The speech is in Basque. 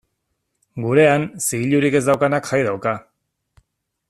Gurean, zigilurik ez daukanak jai dauka.